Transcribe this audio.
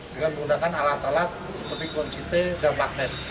dengan menggunakan alat alat seperti kondisi te dan magnet